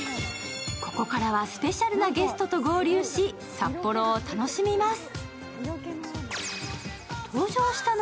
ここからはスペシャルなゲストと合流し、札幌を楽しみます。